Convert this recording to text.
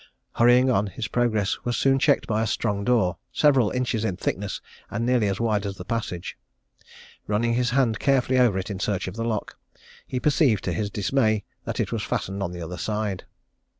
Hurrying on, his progress was soon checked by a strong door, several inches in thickness and nearly as wide as the passage. Running his hand carefully over it in search of the lock, he perceived, to his dismay, that it was fastened on the other side.